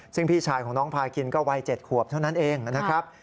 ซึ่งพี่ชายของน้องพาคินก็วัย๗ขวบเท่านั้นเองนะครับ